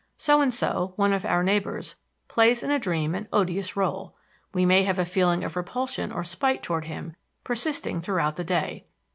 So and so, one of our neighbors, plays in a dream an odious rôle; we may have a feeling of repulsion or spite toward him persisting throughout the day.